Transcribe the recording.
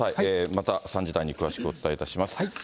また３時台に詳しくお伝えいたします。